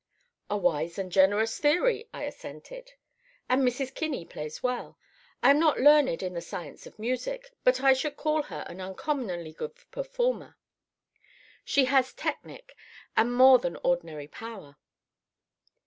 "A wise and generous theory," I assented. "And Mrs. Kinney plays well. I am not learned in the science of music, but I should call her an uncommonly good performer. She has technic and more than ordinary power."